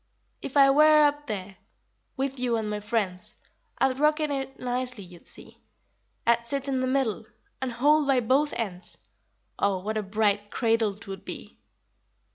If I were up there, With you and my friends, I'd rock in it nicely, you'd see; I'd sit in the middle And hold by both ends; Oh, what a bright cradle 'twould be!